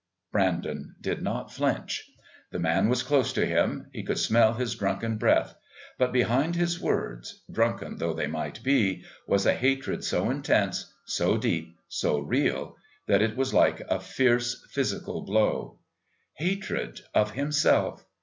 Brandon did not flinch. The man was close to him; he could smell his drunken breath but behind his words, drunken though they might be, was a hatred so intense, so deep, so real, that it was like a fierce physical blow. Hatred of himself.